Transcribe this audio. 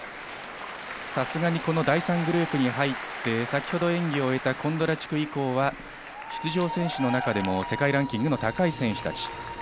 さすがに第３グループに入って先ほど演技を終えたコンドラチュク以降は、出場選手の中でも世界ランキングの高い選手たち。